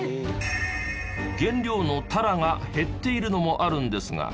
原料のタラが減っているのもあるんですが。